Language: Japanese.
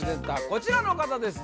こちらの方です